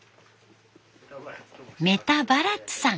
メタバラッツさん。